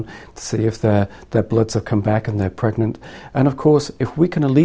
untuk melihat apakah darah mereka sudah pulih dan mereka sudah mengandung